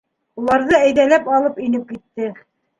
Уларҙы әйҙәләп алып инеп китте.